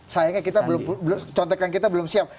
sayangnya kita belum contekan kita belum siap